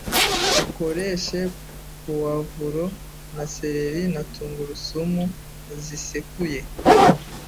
ukoreshe puwavuro na seleri na tungurusumu zisekuye.